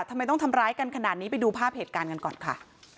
ทำไมต้องทำร้ายกันขนาดนี้ไปดูภาพเหตุการณ์กันก่อนค่ะ